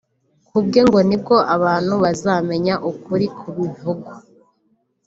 kubwe ngo nibwo abantu bazamenya ukuri kubivugwa